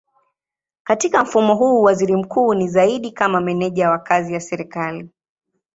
Katika mfumo huu waziri mkuu ni zaidi kama meneja wa kazi ya serikali.